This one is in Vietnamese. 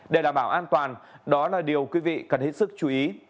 để đảm bảo an toàn đó là điều quý vị cần hết sức chú ý